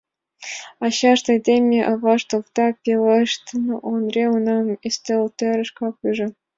Ачашт — айдеме, авашт — овда, — пелештыш Ондре, унам ӱстелтӧрышкак ӱжӧ.